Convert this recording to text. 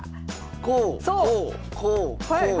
こうこうこうこう！